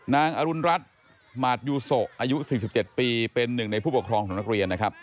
อรุณรัฐหมาดยูโสอายุ๔๗ปีเป็นหนึ่งในผู้ปกครองของนักเรียนนะครับ